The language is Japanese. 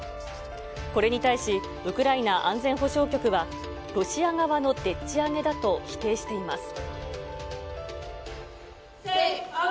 これに対し、ウクライナ安全保障局は、ロシア側のでっち上げだと否定しています。